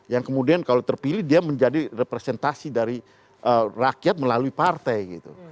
yang kemudian kalau terpilih dia menjadi representasi dari rakyat melalui partai gitu